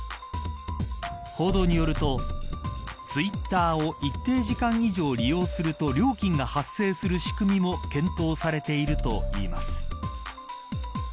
報道によるとツイッターを一定時間以上利用すると料金が発生する仕組みも検討されているといいます。